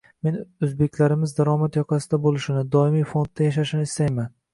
Men o'zbeklarimiz daromad yoqasida bo'lishini, doimiy fondda yashashini istayman